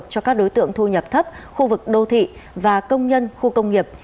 cho các đối tượng thu nhập thấp khu vực đô thị và công nhân khu công nghiệp